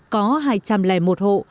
có hai trăm linh một hộ